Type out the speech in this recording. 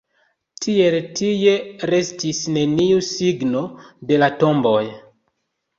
Tiel tie restis neniu signo de la tomboj.